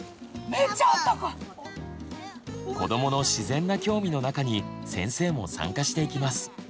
子どもの自然な興味の中に先生も参加していきます。